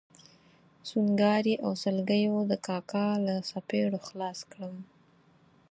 سونګاري او سلګیو د کاکا له څپېړو خلاص کړم.